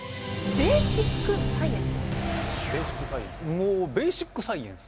「ベーシックサイエンス」。